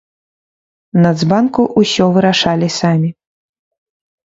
Нацбанку ўсё вырашалі самі.